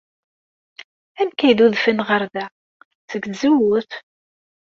Amek ay d-udfen ɣer da? Seg tzewwut.